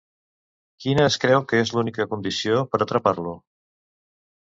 Quina es creu que és l'única condició per atrapar-lo?